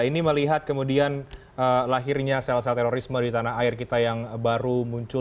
ini melihat kemudian lahirnya sel sel terorisme di tanah air kita yang baru muncul